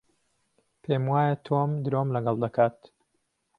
پێم وایە تۆم درۆم لەگەڵ دەکات.